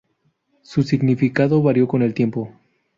Su significado varió con el tiempo.